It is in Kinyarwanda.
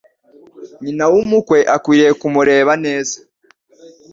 Nyina w'umukwe akwiriye kumureba neza.